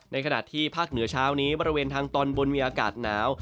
ขณะที่ภาคเหนือเช้านี้บริเวณทางตอนบนมีอากาศหนาว